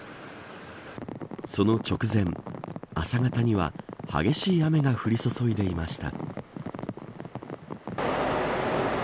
その直前朝方には激しい雨が降り注いでいました。